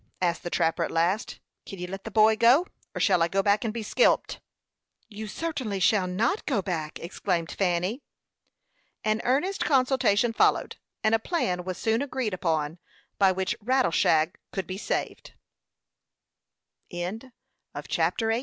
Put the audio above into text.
asked the trapper, at last. "Kin you let the boy go, or shall I go back and be skelped?" "You certainly shall not go back!" exclaimed Fanny. An earnest consultation followed, and a plan was soon agreed upon by which Rattleshag could be saved. CHAPTER XIX. THE INDIAN AMBUSH.